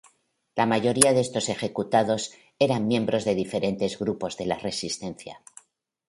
La mayoría de estos ejecutados eran miembros de diferentes grupos de la Resistencia.